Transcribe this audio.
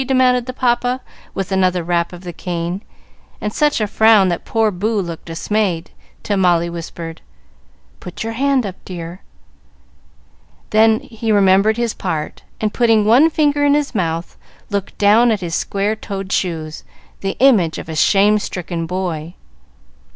demanded the papa, with another rap of the cane, and such a frown that poor Boo looked dismayed, till Molly whispered, "Put your hand up, dear." Then he remembered his part, and, putting one finger in his mouth, looked down at his square toed shoes, the image of a shame stricken boy.